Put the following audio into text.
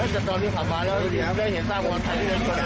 แต่ตอนที่ผ่าฝาแล้วได้เห็นสร้างรถทราย